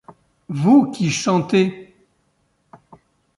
Vous qui chantez ;